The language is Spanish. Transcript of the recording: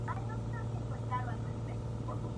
Son plantas herbáceas, anuales y perennes, o arbustos.